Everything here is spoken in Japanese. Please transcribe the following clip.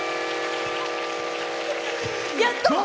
やった！